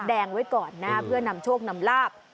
แดงไว้ก่อนนะเพื่อนำโชคนำลาบ